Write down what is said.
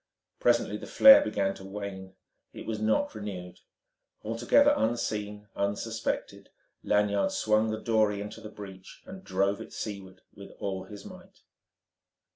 Presently the flare began to wane. It was not renewed. Altogether unseen, unsuspected, Lanyard swung the dory into the breach, and drove it seaward with all his might.